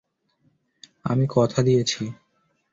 আমি কথা দিয়েছি।